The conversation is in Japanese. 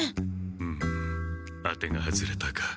フム当てが外れたか。